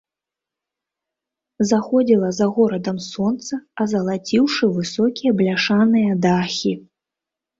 Заходзіла за горадам сонца, азалаціўшы высокія бляшаныя дахі.